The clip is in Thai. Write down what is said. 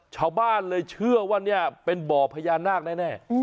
ชาวบ้านเลยเชื่อว่าเป็นบ่อพญานาคแน่แน่